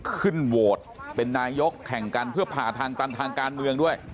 ขึ้นโหวตเป็นนายกแข่งกันเพื่อผ่าทางตันทางการเมืองด้วย